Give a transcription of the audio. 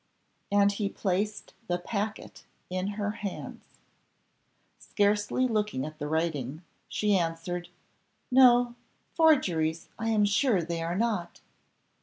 And he placed the packet in her hands. Scarcely looking at the writing, she answered, "No, forgeries I am sure they are not."